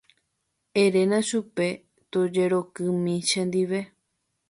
Eréna chupe tojerokymi chendive.